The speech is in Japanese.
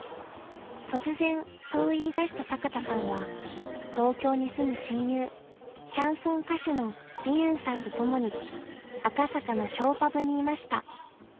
［突然そう言いだした坂田さんは東京に住む親友シャンソン歌手の美雲さんと共に赤坂のショーパブにいました］